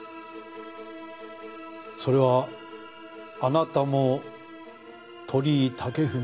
それはあなたも鳥居武文さん